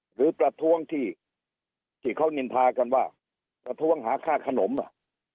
ประท้วงที่เขานินทากันว่าประท้วงหาค่าขนมอ่ะ